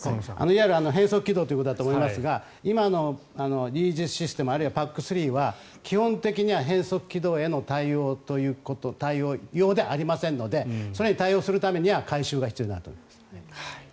いわゆる変則軌道ということだと思いますが今のイージスシステムあるいはＰＡＣ３は基本的には変則軌道への対応用ではありませんのでそれに対応するためには改修が必要になると思います。